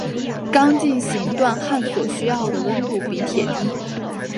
钢进行锻焊所需要的温度比铁低。